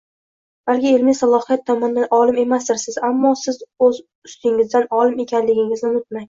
Balki ilmiy salohiyat tomondan olim emasdirsiz, ammo siz o`z ustingizdan olim ekanligingizni unutmang